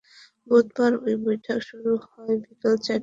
বুধবার ওই বৈঠক শুরু হয় বিকেল চারটায়।